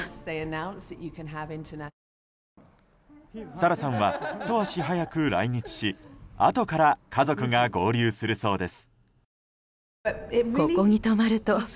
サラさんはひと足早く来日しあとから家族が合流するそうです。